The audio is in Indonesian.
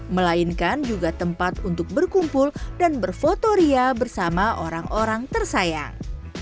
melainkan juga tempat untuk berkumpul dan berfotoria bersama orang orang tersayang